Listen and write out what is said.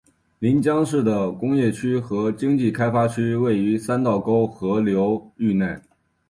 临江市的工业区和经济开发区位于三道沟河流域内。